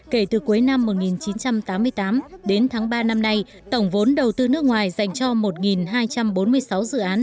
kể từ cuối năm một nghìn chín trăm tám mươi tám đến tháng ba năm nay tổng vốn đầu tư nước ngoài dành cho một hai trăm bốn mươi sáu dự án